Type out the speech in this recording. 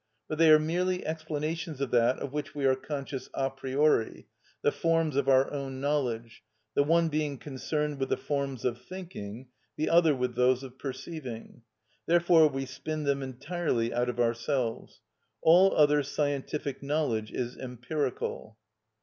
For they are merely explanations of that of which we are conscious a priori, the forms of our own knowledge, the one being concerned with the forms of thinking, the other with those of perceiving. Therefore we spin them entirely out of ourselves. All other scientific knowledge is empirical.